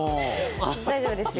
大丈夫ですよ。